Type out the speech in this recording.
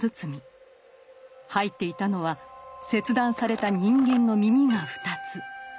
入っていたのは切断された人間の耳が２つ。